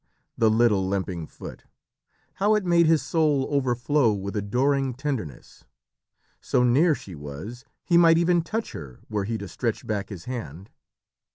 The little limping foot how it made his soul overflow with adoring tenderness. So near she was, he might even touch her were he to stretch back his hand....